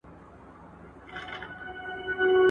څنگه هېر کم پر دې لار تللي کلونه ,